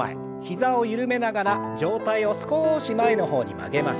膝を緩めながら上体を少し前の方に曲げましょう。